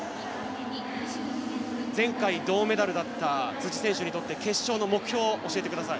前回、銅メダルだった辻選手にとって決勝の目標を教えてください。